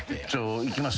いきます？